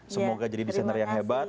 semoga jadi desainer yang hebat